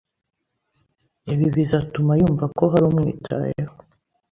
Ibi bizatuma yumva ko hari umwitayeho .